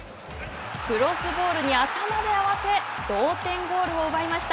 クロスボールに頭で合わせ同点ゴールを奪いました。